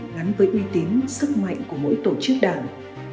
gắn với uy tín sức mạnh của mỗi tổ chức đảng